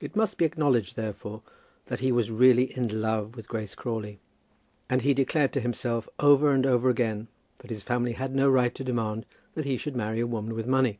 It must be acknowledged, therefore, that he was really in love with Grace Crawley; and he declared to himself, over and over again, that his family had no right to demand that he should marry a woman with money.